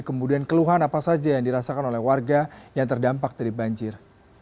kemudian keluhan apa saja yang dirasakan oleh warga yang terdampak dari banjir